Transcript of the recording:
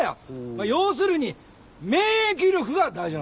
まあ要するに免疫力が大事なんだよ。